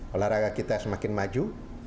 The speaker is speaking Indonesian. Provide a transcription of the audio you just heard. olahraga kita semakin maju